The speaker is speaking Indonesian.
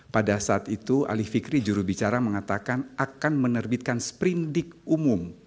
pada saat itu ali fikri jurubicara mengatakan akan menerbitkan sprindik umum